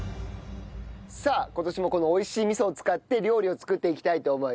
さあ今年もこの美味しい味噌を使って料理を作っていきたいと思います。